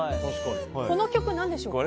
この曲は何でしょうか？